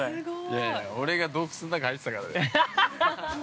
◆いやいや、俺が洞窟の中に入ってたからだよ。